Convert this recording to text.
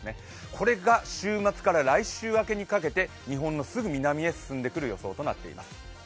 これが週末から来週明けにかけて日本のすぐ南へ進んでくる予想となっています